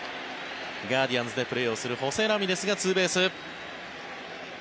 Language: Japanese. ガーディアンズでプレーをするホセ・ラミレスがツーベース。